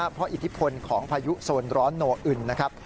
เพราะอิทธิภนภนภายุโซนร้อนโหนอุ่นนะครับ